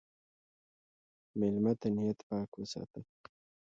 مېلمه ته نیت پاک وساته.